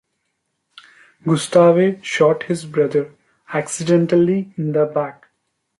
Gustave shot his brother accidentally in the back.